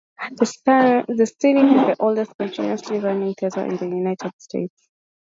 The Scenic is the oldest, continuously running theater in the United States.